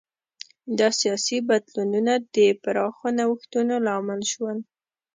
دا سیاسي بدلونونه د پراخو نوښتونو لامل شول.